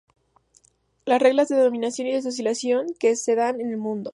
Las reglas de dominación y de socialización que se dan en el mundo